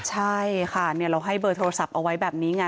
ใช่ค่ะเราให้เบอร์โทรศัพท์เอาไว้แบบนี้ไง